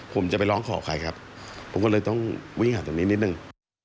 ผมจะไปร้องขอใครครับผมก็เลยต้องวิ่งหาตรงนี้นิดนึง